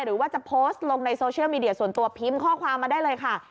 หรือว่าจะโพสต์ลงในโซเชียลมีเดียส่วนตัวพิมพ์ข้อความมาได้เลยค่ะ